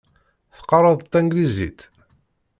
Teqqareḍ tanglizit?